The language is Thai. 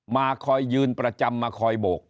มาคอยยืนประจำมาคอยโบก